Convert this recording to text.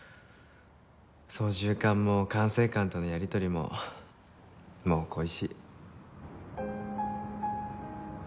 操縦桿も管制官とのやりとりももう恋しい。